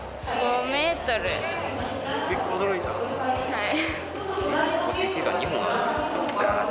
はい。